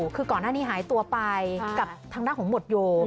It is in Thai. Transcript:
คือก่อนหน้านี้หายตัวไปกับทางด้านของหมวดโย